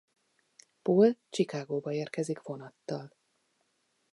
Paul Chicagóba érkezik vonattal.